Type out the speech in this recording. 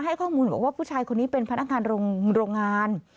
ข้อมูลบอกว่าผู้ชายคนนี้เป็นพนักงานโรงงาน